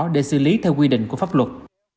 để xử lý theo quy định của pháp luật